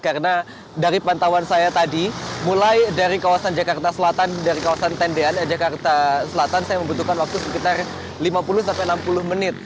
karena dari pantauan saya tadi mulai dari kawasan jakarta selatan dari kawasan tendian jakarta selatan saya membutuhkan waktu sekitar lima puluh enam puluh menit